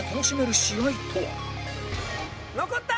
残った！